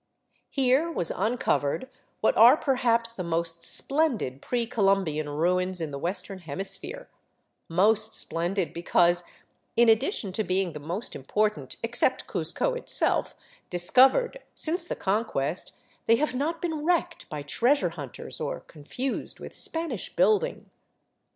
Here was un covered what are perhaps the most splendid pre Columbian ruins in the Western Hemisphere, most splendid because, in addition to being the most important — except Cuzco itself — discovered since the Con quest, they have not been wrecked by treasure hunters or confused with Spanish building.